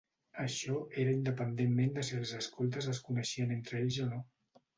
Això era independentment de si els escoltes es coneixien entre ells o no.